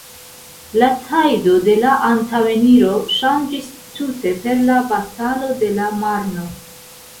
La tajdo de la antaŭeniro ŝanĝis tute per la Batalo de la Marno.